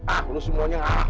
ah lo semuanya